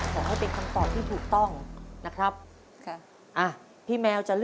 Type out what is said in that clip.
ขอให้เป็นคำตอบที่ถูกต้องนะครับ